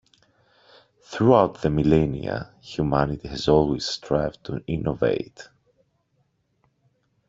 Throughout the millenia, humanity has always strived to innovate.